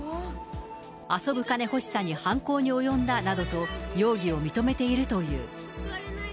遊ぶ金欲しさに犯行に及んだなどと、容疑を認めているという。